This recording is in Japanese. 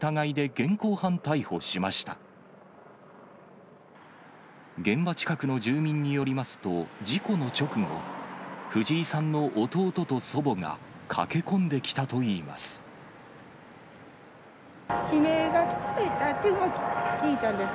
現場近くの住民によりますと、事故の直後、藤井さんの弟と祖母が駆け込んできたといいます。